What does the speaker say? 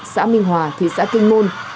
xã minh hòa thị xã kinh môn